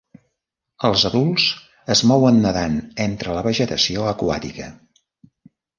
Els adults es mouen nedant entre la vegetació aquàtica.